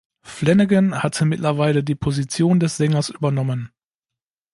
Flanagan hatte mittlerweile die Position des Sängers übernommen.